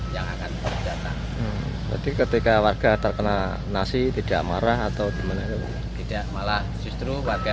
yang akan datang jadi ketika warga terkena nasi tidak marah atau gimana tidak malah justru warga